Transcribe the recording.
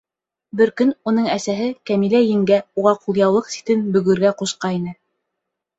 Бер көн уның әсәһе Кәмилә еңгә уға ҡулъяулыҡ ситен бөгөргә ҡушҡайны.